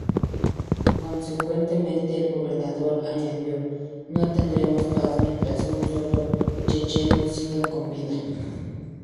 Consecuentemente, el gobernador añadió: "No tendremos paz mientras un solo checheno siga con vida".